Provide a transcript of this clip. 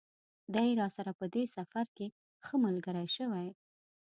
دی راسره په دې سفر کې ښه ملګری شوی.